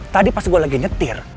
tadi pas gue lagi nyetir